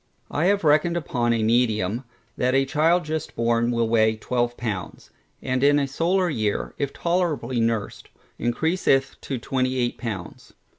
I have reckoned upon a medium, that a child just born will weigh 12 pounds, and in a solar year, if tolerably nursed, encreaseth to 28 pounds.